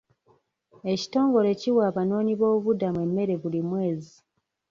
Ekitongole kiwa abanoonyi b'obubuddamu emmere buli mwezi.